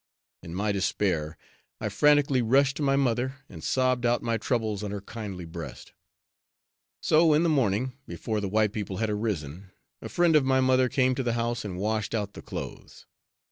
In my despair, I frantically rushed to my mother and sobbed out my troubles on her kindly breast. So in the morning, before the white people had arisen, a friend of my mother came to the house and washed out the clothes.